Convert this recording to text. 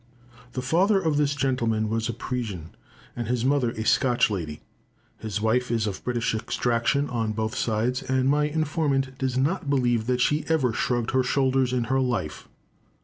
The father of this gentleman was a Parisian, and his mother a Scotch lady. His wife is of British extraction on both sides, and my informant does not believe that she ever shrugged her shoulders in her life.